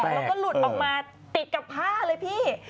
แล้วก็หลุดออกมาติดกับผ้าเลยพี่